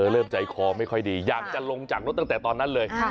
เริ่มใจคอไม่ค่อยดีอยากจะลงจากรถตั้งแต่ตอนนั้นเลย